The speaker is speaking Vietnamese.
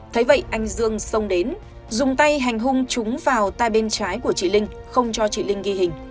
thấy vậy anh dương xông đến dùng tay hành hung chúng vào tay bên trái của chị linh không cho chị linh ghi hình